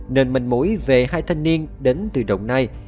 nên mình mối về hai thanh niên đến từ đồng nai